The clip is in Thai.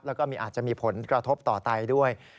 แล้วก็อาจจะมีผลกระทบต่อไตด้วย